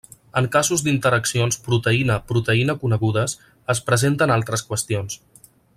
En casos d'interaccions proteïna-proteïna conegudes, es presenten altres qüestions.